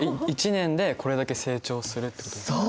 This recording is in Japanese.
１年でこれだけ成長するってことですか？